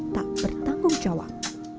tak bertanggung jawab